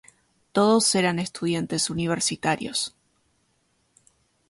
Todos eran estudiantes universitarios.